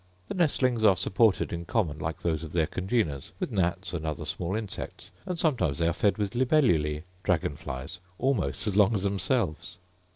The nestlings are supported in common like those of their congeners, with gnats and other small insects; and sometimes they are fed with libellulae (dragon flies) almost as long as themselves.